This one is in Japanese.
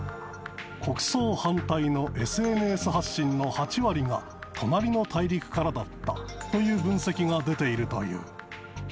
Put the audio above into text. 国葬反対のＳＮＳ発信の８割が隣の大陸からだったという分析が出ているという。